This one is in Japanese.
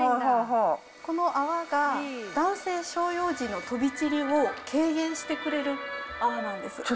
この泡が男性小用時の飛び散りを軽減してくれる泡なんです。